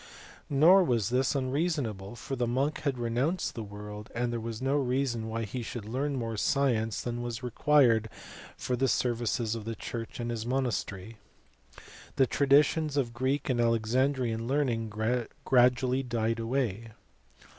Nor was this unreasonable, for the monk had renounced the world, and there was no reason why he should learn more science than was required for the services of the church and his monastery. The traditions of Greek and Alexan drian learning gradually died away.